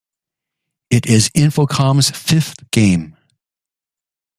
It is Infocom's fifth game.